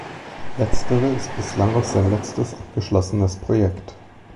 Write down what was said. Letztere ist bislang auch sein letztes abgeschlossenes Projekt.